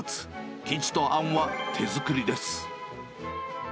生地とあんは手作りです。